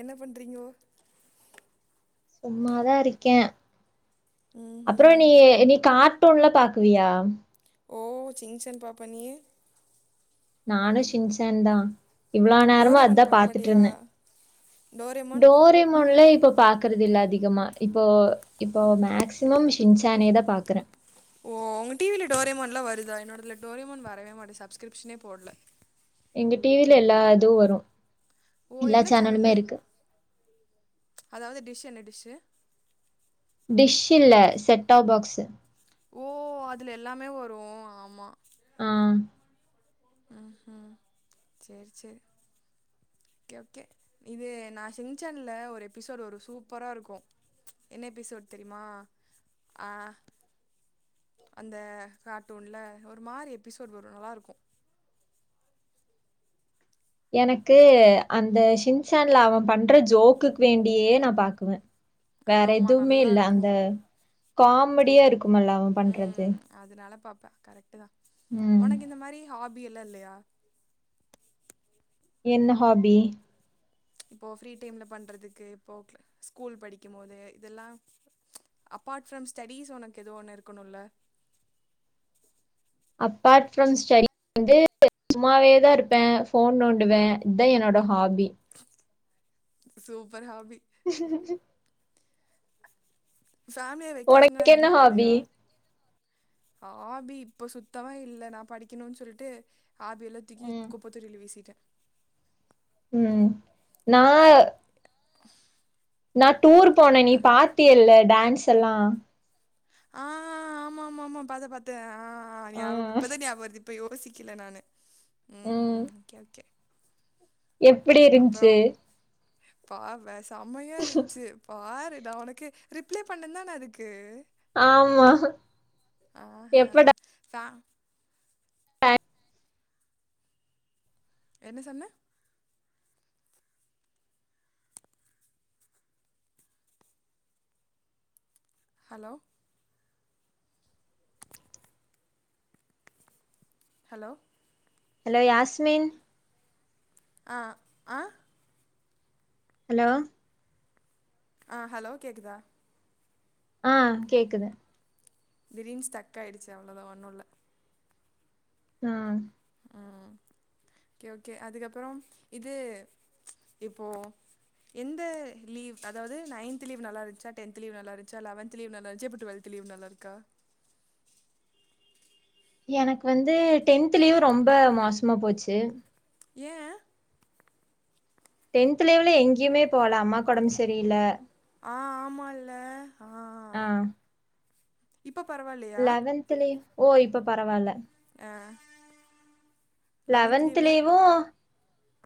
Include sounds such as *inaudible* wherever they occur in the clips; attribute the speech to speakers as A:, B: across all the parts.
A: என்ன பண்றீங்கோ
B: சும்மாதான் இருக்கேன் அப்புறம்
A: ம்ஹூம்
B: நீ நீ கா ஒண்ணுல பாக்குவியா
A: ஓ ஷின்சேன் பாப்ப நீ
B: நானும் ஷின்சேன் தான் இவ்வளவு நேரமும்
A: டோரேமான்
B: அததுதான்
A: பாக்க
B: பாத்துட்டு
A: மாட்டியா
B: இருந்தேன்
A: டோரேமான்
B: டோரிமன்ல இப்ப பாக்குறது இல்ல அதிகமா இப்போ இப்போ மேக்சிமம் ஷின்சானே தான் பாக்குறேன்
A: ஓ உ டிவியில டோரியமோன்லாம் வருதா என்னோடல டோரியமோன் வரவே மாட்டேன் சப்ஸ்கிரிப்ஷனே போடல
B: எங்க டிவில எல்லா இதுவும் வரும்
A: ஓ என்ன சேனல் அதாவது டிஷ் செஷு
B: டிஷ் இல்ல செட்டாப் பாக்ஸ்
A: ஓ அதுல எல்லாமே வரும் ஆமா
B: ஆஹ்
A: ஹ ஹ சேரி சேரி ஓகே ஓகே இது நான் ஷன்சேன்ல ஒரு எபிசோடு வரும் சூப்பரா இருக்கும் என்ன எபிசோடு் தெரியுமா அஹ் அந்த கார்ட்டூன்ல ஒரு மாரி எபிசோட் வரும் நல்லா இருக்கும்
B: எனக்கு அந்த ஷின்சேன்ல அவன் பண்ற ஜோக்குக்கு வேண்டியே நான் பாக்குவேன் வேற
A: ஆமா
B: எதுவுமே
A: நல்லா
B: இல்ல அந்த
A: இருக்கும்
B: காமெடியா இருக்குமல்ல அவங்க பண்றது
A: ப்போ கரெ்ட தான் *inaudible*
B: ம்
A: உனக்கு இந்த மாரி ஹாபி ம் பில்லலைய
B: என்ன ஹாபி
A: இப்போ ப்ரீ டைம்ல பண்றதுக்கு இப்போ ஸ்கூல் படிக்கும் போது இதெல்லாம் அப்பார்ட் ஃப்ரம் ஸ்டேடிஸ் உனக்கு எத ஒண்ணு இருக்கணும்ல்ல
B: அப்பார்ட் ஃப்ரம் ஸ்டேடி வந்து சும்மாவேதான் இருப்பேன் போன் நோண்டுவேன் இதுதான் என்னோட ஹாபி
A: சூப்பர் ஹாபி
B: *unintelligible*
A: ஃபேமிலியா வெக்கேஷன் எல்லாம்
B: உனக்கு என்ன
A: எங்கயும்
B: ஹாபி
A: போலையா ஹாபி இப்ப சுத்தமா இல்ல நான் படிக்கணும்ன்னு சொல்லிட்டு ஆபி எல்ல தூக்கி
B: ம்
A: குப்பதோட்டில்ல வசிட்டேன்
B: உம் நா
A: *unintelligible*
B: நட் டூர் போன நீ பார்த்தி இல் டான்ஸ் எல்லா
A: ஆஹ் ஆமா ஆமா ஆமா பாத்த பாத்த ஆஹ்ஹஞாபம்
B: ம்
A: இப்பத ஞாபகம் வருது இப்ப வசிக்கல நானு உம்
B: ம்
A: உஹம் ஓகே ஓகே
B: எப்படி ருந்துச்சு
A: பார் பேஸ் சமையா இருந்துச்சு பாரு நன உனக்கு ரிப்லே பண்ணே தான அதுக்கு
B: ஆமா
A: ஆஹ்ஹ் ஃபேம்
B: ஹா
A: என்ன சொன்ன ஹலோ ஹலோ
B: ஹலோ யாஸ்மின்
A: ஆஹ ஆஹா
B: ஹலோ
A: ஆ ஹலோ கேக்குதா
B: ஆ கேக்குது
A: கிரீன்ஸ் டக் ஆயிடுச்சு அவ்வளோதான் ஒண்ணும்ல
B: ஆ
A: ஓகே ஓகே அதுக்கப்பறம் இது இப்போது எந்த லீவ் அதாவது நைன்த்த் லீவ் நல்லாிருந்துச்சா டென்த் லீவ் நல்லாிருந்துச்சா லெவன்த் லீவ் நல்லாிருந்துச்சா இப்போ டுவெல்த் லீவ் நல்லாிருக்கா
B: எனக்கு வந்து டென்தலயும் ரொம்ப மோசமா போச்சு
A: ஏன்
B: டென்த்லெவல எங்கேயுமே போல அம்மா குடம்பு சரியல
A: ஆ ஆமால ஆ இப்போ பரவாயில்லையா
B: லெவன்த்தல ஓ இப்போ பரவாயில்ல
A: *inaudible*
B: லெவன்த் லீவும்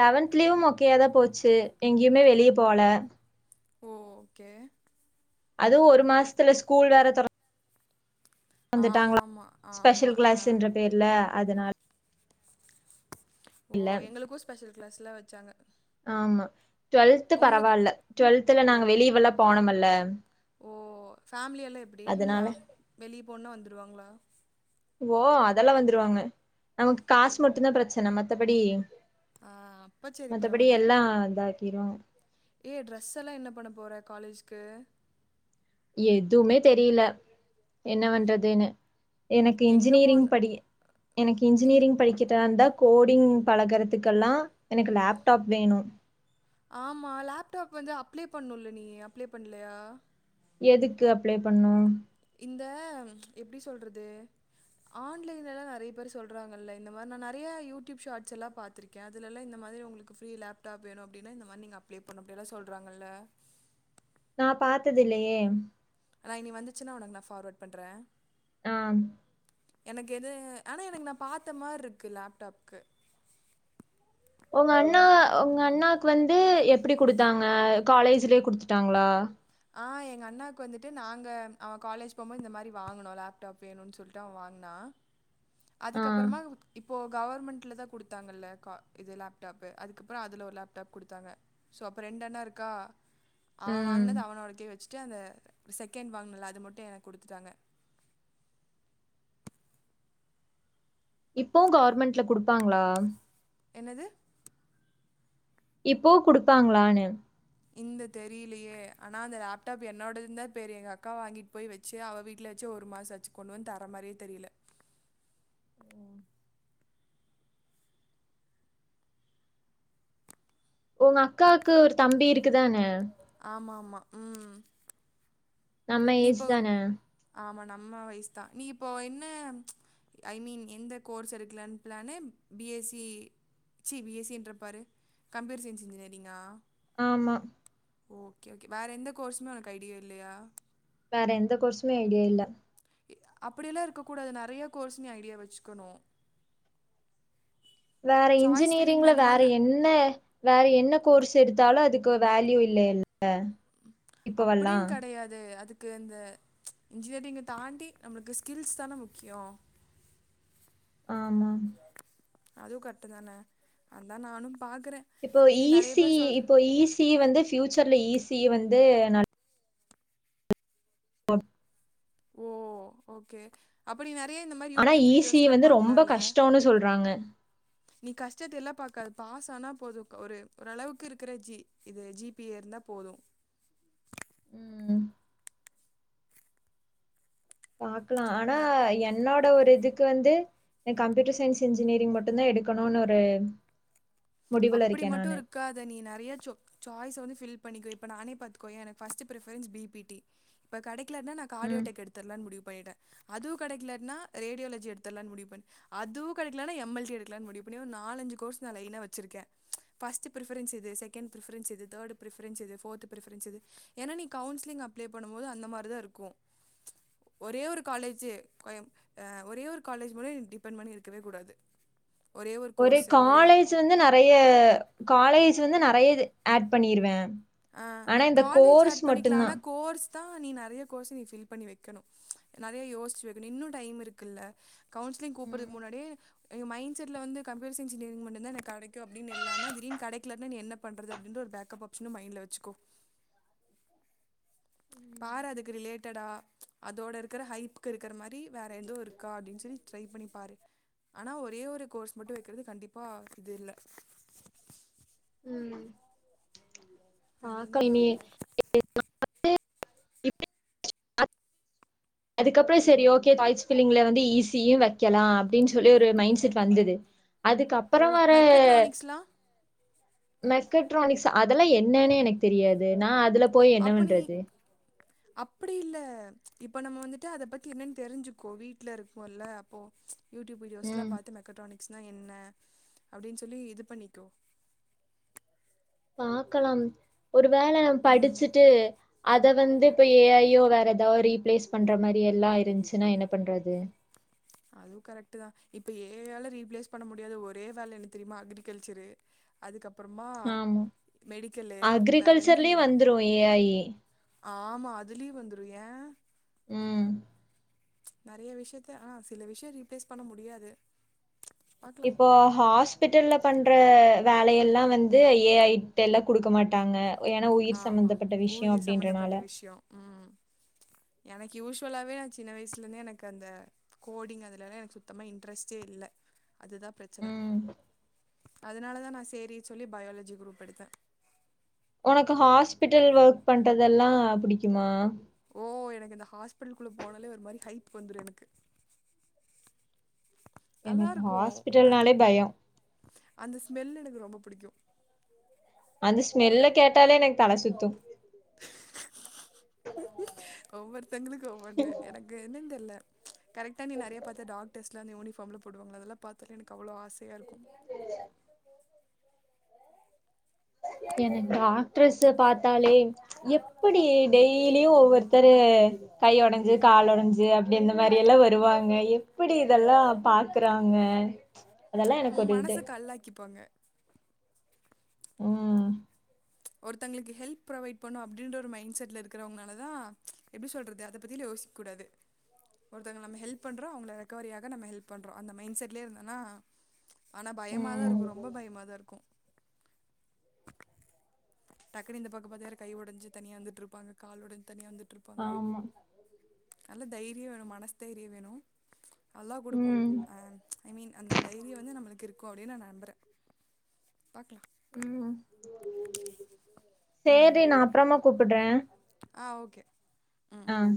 B: லெவன்த் லீவும் மொக்கையாத்தான் போச்சு எங்கேயுமே வெளியே போல
A: ஓ ஓகே
B: அதுவும் ஒரு மாசத்துல ஸ்கூல் வேற தொட
A: ஆமா
B: வந்துட்டாங்களா
A: ஆமா ஆமா
B: ஸ்பெஷல்
A: ஆ
B: கிளாஸ்ன்ற பேர்ல அதனால்
A: ஓ எங்களுக்கும் ஸ்பெஷல் கிளாஸ்லாம் வச்சாங்க
B: ஆமா டுவெல்த்
A: உங்களுக்கு
B: பரவாயில்ல டுவெல்தல
A: ஓ
B: நாங்க வெளியவெல்லாம் போனோமல்ல ல
A: ஓ ஃபேமிலி எல்லாம் எப்டி
B: அதனால
A: எல்லாம் வெளியே போணன்னா வந்துருவாங்களா
B: ஓ அதெல்லாம் வந்துருவாங்க நமக்கு
A: ஓ
B: காச் முட்டும் பிரச்சன ம மற்றபடி
A: ஆ அப்போ சரி
B: மற்றபடி
A: பரவாயில்ல
B: எல்லாம் இதா கிறம்
A: ஏ ட்ரெஸ் எல்லாம் என்ன பண்ண போற காலேஜ்க்கு
B: எதுவுமே தெரியல என்ன பண்றதுன்னு எனக்கு
A: எங்கே
B: இன்ஜினியரிங்
A: போன
B: படி எனக்கு
A: இந்
B: இன்ஜினியரிங் படிக்கிறது அந்த கோடிங் பழகறதுக்கெல்லாம் எனக்கு லேப்டாப் வேணும்
A: ஆமா லேப்டாப் வந்து அப்ளை பண்ணும்ல நீ அப்ளை பண்ணலையா
B: எதுக்கு அப்ளை பண்ணும்
A: இந்த எப்டி சொல்கிறது ஆன்லைனல்லாம் நெறைய பேர் சொல்கிறாங்கள்ல இந்த மாரி நான நெறையா யூடியூப் ஷாரட்ஸ் எல்லாம் பாத்துருக்கேன் அததுலலாம் இந்த மாரி உங்களுக்கு ஃப்ரீ லேப்டாப் வேணும் அப்டின்னா இந்த மாரி நீங்கள் அப்ளே பண்ணும் அப்டியெல்லாம் சொல்கிறாங்கள்ல்ல
B: நான பா்த்தது இல்லயே
A: அண்ண இ நீ வந்துச்சுா உக்கு நான் ஃபார்வர்ட் பண்ணுறேன்
B: ஆ
A: எனக்கு எது ஆனா எனக்கு நான பாத்த மாரி இருக்கு லேப்டாப்க்கு
B: உங்க அண்ணா உங்க அண்ணாக்கு வந்து எப்டி குடுத்தாங்க காலேஜ்லயே குடுத்துட்டாங்களா
A: ஆ எங்க அண்ணாவுக்கு வந்துட்டு நாங்க அவன் காலேஜ் போகும்போது இந்த மாரி வாங்கனும் லேப்டாப் வேணும்ன்னனு சொல்லிட்டு அவன் வாங்கினான்
B: ஆ
A: அதுக்கப்புறமா இப்போ கவர்மெண்ட்ல் தா கொடுத்தாங் லேக்க இது லேப்டாப்பு அதுக்கப்புரோ அதில் ஒரு லேப்டாப் கொடுத்தாங்க சோ அப்புற ரெண்டென்ன இருக்கா அவன்
B: ம்
A: வாங்கினது அவனோடக்கே வச் அந்த செகண்ட் வாங்கினல அது மட்டும் எனக்கு கொடுத்துட்டாங்க
B: இப்பவும் கவர்மெண்ட்ல குடுப்பாங்ளா
A: என்னது
B: இப்போ குடுப்பாங்களானனு
A: இந்த தெரியலயே ஆனா அந்த லேப்டாப் என்னோட இருந்தா பேரு எங்க அக்கா வாங்கிட்டு போய் வச்சு அவ வீட்டுலயச்சு ஒரு மாச ஆச்சி கொக்கண்டுவன்னு தர மாரியே தெரியல
B: உங்க அக்காவுக்கு ஒரு தம்பி இருக்குதானே
A: ஆமா ஆமா ம்
B: நம்ம ஏஜ் தானே
A: அம்மா வயசு தா நீ இப்போ என்ன ஐ மீன் எந்த கோர்ஸ் எடுக்கலனு பிளானனு பிஎஸ்சி சி பிஎஸ்சி என்றப்பார் கம்ப்யூட்டர் சயின்ஸ் இன்ஜினியரிங்கா
B: ஆமா
A: ஓகே-ஓகே வேற எந்த கோர்ஸ்மே உனக்கு ஐடியா இல்லையா
B: வேற எந்த கோர்ஸ்மே ஐடியா இல்ல
A: அப்படில்லாம் இருக்கக்க கூடாது நெறைய கோர்ஸ் நீ ஐடியா வச்சுக்கனு
B: வேற இன்ஜினியரிங்ல வேற
A: மாதிரி ந-
B: என்னவேற என்ன கோர்ஸ் எடுத்தாலோ அதுக் இப்ப வேல்யூ இல்லல ல இப்ப வல்லா
A: *inaudible* இன்ஜினியரிங் தண்டி நமக்கு ஸ்கில் தானே முக்கியம்
B: ஆமா
A: அதுவும் கரட் தானே அதான் நானு
B: இப்போ ஈஸி இப்போ ஈஸி வந்து பியூச்சர்ல ஈஸி ஈ வந்து *unintelligible*
A: ஓ ஓகே அப்படி நர் இப்பயே இந்த மாதிரி
B: ஆனா
A: யூடியூப்
B: ஈசி
A: வீடியோஸ்ல்லா
B: வந்து ரொம்ப
A: பாக்கலால்ல
B: கஷ்டோன்னு சொல்றாங்க
A: நீ கஷ்டத்த எல்லாம் பாத் அது பாஸ் ஆனா போதும் ஒரு ஓரளவுக்கு இருக்கிற ஜி இது ஜிபிே இருந்தா போதும்
B: ம் பாக்கலாம் ஆனா
A: அந்த
B: என்னோட ஒரு இது இது வந்து கம்ப்யூட்டர் சயின்ஸ் இன்ஜினியரிங் மட்டும் தான் எடுக்கணும்னு ஒரு முடிவுல
A: அப்படி
B: இருக்கே
A: மட்டோ
B: நானு
A: இருக்காத நீ நிறைய சோ சாய்ஸ் வந்து பில் பண்ணிக்கும் இப்ப நானே பாத்துக்கோய எனக்கு first preference B B D இப்ப கடைக்கு கீழேர்ந்து
B: ம்
A: நாஆடியோடக் எடுத்துரலான் முடியும் போய்டு அதுவு கிடைகலன ரேடியலஜி எடுத்துல முடி அதுவும் கடிகலன எம்மசி எடுக்கலன்னு முடிவுபன்னிட்டேன் நாலு அஞ்சி கோர்ஸ் லயனா வச்சுிருக்கேன் பஸ்ட்ஃபரன்ஸ் எது செகண்ட்ரிஃரென்ஸ் எது தேர்டு ப்ரிஃரன்ஸ் எ து ஃபோர்த்து ஃப்ரன்ஸ் எ து ஏன்னா நீ கவுன்சிலிங் அப்ளை பண்ணும்போது அந்த மாரி தா இருக்கோ ஒரே ஒரு காலேஜ் ஒரே ஒரு காலேஜ் மூலோ டிபெண்ட் பண்ணி இருக்கவே கூடாது ஒரே
B: ஒரு
A: கோர்ஸு ஒரே ஒரு
B: காலேஜ் வந்து ந நெறைய காலேஜ் வந்து நெறைய இது அட் பண்ணிருவே
A: ஆ
B: ஆனா இந்த
A: காலேஜ்
B: கோர்ஸ்
A: ஆட் பண்ணிக்கலாம்
B: மட்டுந்தா
A: ஆனா கோர்ஸ் தான் நீ நெறைய கோர்ஸ் நீ பில்பண்ணி வைக இருக்கணும் நிறைய யோசிச்சு வைக்கணும் இன்னும் டைம் இருக்குல கவுன்சிலிங்
B: ம்
A: கூப்பிடறது முன்னாடியே எங்க மைண்ட செட்ல வந்து கம்ப்யூட்டர் சயின்ஸ் டிகிரி மட்டுதான் எனக்கு கிடைக்கும் அப்பனு இல்லாம திடீர்னு கிடைக்கலனா என்ன பண்றது என்ற அப்படின்ற பேக்கப் ஆப்ஷன் இன்னும் மைண்டில்க வச்சுக்கோ பாரு அதுக்கு ரிலேட்டடா அதோட இருக்கிற ஹைப்புக்கு இருக்குற மாரி வேற ஏதவும் இருக்கா அப்படின்னு சொல்லி ட்ரை பண்ணிப்பாரு ஆனா ஒரே ஒரு கோர்ஸ் மட்டும் வைக்கிறது கண்டிப்பா இது இல்ல
B: உம்
A: அதுதான்
B: பாக்கலா *unintelligible* அதுக்கஅப்பறம் சரி ஓகே கால் ஸ்பெல்லிங் வந்து ஈஸியும் வைக்கலாம் அப்படின்னு சொல்லி ஒரு மைண்ட செட் வந்தது
A: ஓ
B: அதுக்கப்புறம் வேற
A: மெக்கட்ரானிக்ஸ்லாம்
B: மெக்கட்ரானிக்ஸ் அதெல்லாம் என்னன்னு எனக்கு தெரியாது நான் அதுல போய் என்ன
A: அப்ப நீ
B: பண்றது
A: அப்படி இல்ல இப்ப நம்ம வந்துட்டு அத பத்தி என்னன்னு தெரிஞ்சுக்கோ வீட்டுல இருக்கோல அப்போ யூடியூப் வீடியோஸ் எல்லா
B: ம்.
A: பாத்து மெக்கட்ரானிக் ஸ் என்ன அப்படின்னு சொல்லி இது பண்ணிக்கோ
B: பாக்கலாம் ஒரு வேல
A: ம்
B: படிச்சுட்டு அதை வந்து இப்போ ஏஐயோ வேற ஏதாவது ரீப்ளேஸ் பண்ற மாதிரி எல்லாம் இருந்துச்சுன்னா என்ன பண்றது
A: அதுவும் கரெக்ட் தான் இப்ப ஏஐயால ரீப்ளேஸ் பண்ண முடியாது ஒரே வேலைன்னு தெரியுமா அக்ரிக்கல்ச்சரு அதுக்கப்புறம்
B: ஆம்
A: வேற என்ன
B: அக்ரிகல்ச்சர்லயே
A: ரீ
B: வந்துரும் ஏ ஐ
A: ஆமா அதுலயே வந்துடும் ஏ
B: உம்
A: நிறைய விஷயத்த ஆனா சில விஷயம் ரீப்ளேஸ் பண்ண முடியாது பாக்கலாம்
B: இப்போ ஹாஸ்பிட்டல்ல பண்ற வேலையெல்லாம் வந்து ஏஐடல்ல கொடுக்க மாட்டாங்க ஏனா உயிர்
A: ஆமா
B: சம்பந்தப்பட்ட விஷயம்
A: உயிர் சம்பந்தப்பட்ட
B: அப்படின்றதனால
A: விஷயோ ம் எனக்கு யூஸ்வலாவே நான் சின்ன வயசுல இருந்தே எனக்கு அந்த கோடிங் அதுலல்லாம் எனக்கு சுத்தமா இன்ட்ரெஸ்ட்டே இல்லை அதுதான் பிரச்சனை
B: ம்.
A: அதனாலதான் நான் சேரி சொல்லி பயாலஜி குரூப் எடுத்தேன்
B: உனக்கு ஹாஸ்பிட்டல் ஒர்க் பண்றதெல்லாம் புடிக்குமா
A: ஓ எனக்கு இந்த ஹாஸ்பிட்டல்க்குள்ள போனாலே ஒரு மாதிரி ஹைப் வந்துடும் எனக்கு நல்லா
B: எனக்கு
A: இருக்கும்
B: ஹாஸ்பிட்டல்னாலே பயம்.
A: அந்த ஸ்மெல் எனக்கு ரொம்ப ரொம்ப பிடிக்கும்
B: அந்த ஸ்மெல்ல கேட்டாலே எனக்கு தலை சுத்தும்
A: ஒர் ஒர்த்தவங்களுக்கு ஓ ஒன்னு எனக்கு என்ன தெரியல கரெக்டா நி நிறைய பாத்த டாக்டர்ஸ் யுனிபாம்லா போடுவங்கல அதெல்ல பாத்தாலே எனக்கு அவ்ளோ ஆஸ தேய இருக்கும்
B: எனக்கு டாக்டரஸ் பாத்தாலே எப்டி டெய்லியும் ஒவ்வொருத்தரு கைய உடைஞ்சு கால் உடைஞ்சு அப்டி இந்த மாரி எல்லா வருவாங்க எப்புடி இதெல்லா பாக்குறாங்க அதெல்லா
A: ஊ
B: எனக்கு ஒரு இது
A: மனச கல்லாக்கிப்பாங்க
B: ம்
A: ஒருத்தவங்களுக்கு ஹெல்ப் ப்ரொவைட் பண்ணோம் அப்படின்ற ஒரு மைண்ட் செட்ல இருக்கிறவங்களால தான் எப்படி சொல்றது அதை பத்தியிலும் யோசிக் கூடாது ஒருத்தங்க நம்ம ஹெல்ப் பண்றோம் அவங்கள ரெக்கவரியாக நம்ம ஹெல்ப் பண்றோம் அந்த மைண்ட் செட்லயே இருந்தோன்னா ஆனா பயமாதான்
B: ம்
A: இருக்கும் ரொம்ப பயமாதான் இருக்கும் *inaudible* டக்குன இந்த பக்க பாத்த யா கை உடஞ்சு தனியா வந்துட்டு இருப்பாங்க கால் உடஞ்சு தனியா வந்துட்டு இருப்பாங்க
B: ஆமா
A: நல்லது தைரியம் வேணும் மனசு தைரியம் வேணும் அல்லா
B: ம்
A: கொடுப்போம்ஹ ஐ மீன் அந்தந்த டைரிய வந்து நம்மளுக்கு இருக்கும் அப்படின்னு நான் நம்புறேன் பாக்கலாம்
B: *inaudible* சேரி நான் அப்புறமா கூப்பிடுறேன்
A: ஆ ஓகே ம்
B: ஆஹ்